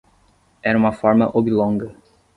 Era uma forma oblonga.